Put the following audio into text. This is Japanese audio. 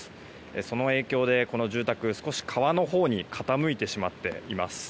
その影響で住宅が少し川のほうに傾いてしまっています。